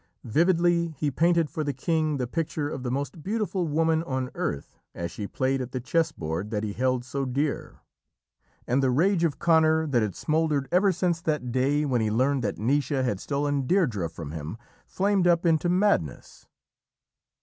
Vividly he painted for the king the picture of the most beautiful woman on earth as she played at the chess board that he held so dear, and the rage of Conor that had smouldered ever since that day when he learned that Naoise had stolen Deirdrê from him, flamed up into madness.